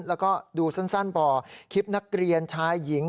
แล้วก็ดูสั้นพอคลิปนักเรียนชายหญิง